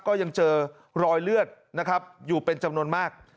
ก็ยังเจอรอยเลือดนะครับอยู่เป็นจำนวนมาก